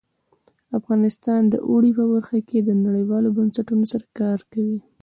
افغانستان د اوړي په برخه کې نړیوالو بنسټونو سره کار کوي.